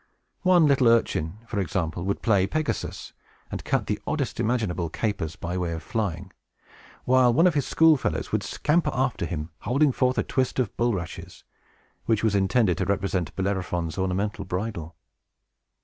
One little urchin, for example, would play Pegasus, and cut the oddest imaginable capers, by way of flying; while one of his schoolfellows would scamper after him, holding forth a twist of bulrushes, which was intended to represent Bellerophon's ornamental bridle.